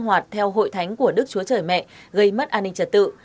hoạt theo hội thánh của đức chúa trời mẹ gây mất an ninh trật tự